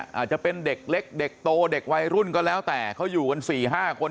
อาจจะเป็นเด็กเล็กเด็กโตเด็กวัยรุ่นก็แล้วแต่เขาอยู่กัน๔๕คน